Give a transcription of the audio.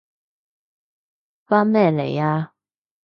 返咩嚟啊？